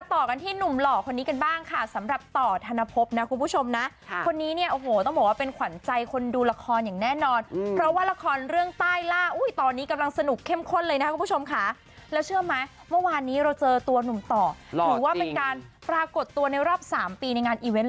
ต่อกันที่หนุ่มหล่อคนนี้กันบ้างค่ะสำหรับต่อธนภพนะคุณผู้ชมนะคนนี้เนี่ยโอ้โหต้องบอกว่าเป็นขวัญใจคนดูละครอย่างแน่นอนเพราะว่าละครเรื่องใต้ล่าอุ้ยตอนนี้กำลังสนุกเข้มข้นเลยนะครับคุณผู้ชมค่ะแล้วเชื่อไหมเมื่อวานนี้เราเจอตัวหนุ่มต่อถือว่าเป็นการปรากฏตัวในรอบ๓ปีในงานอีเวนต์